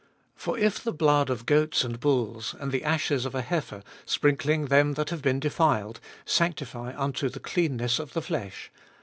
For if the blood of goats and bulls, and the ashes of a heifer sprinkling them that have been defiled, sanctify unto the cleanness of the flesh: 14.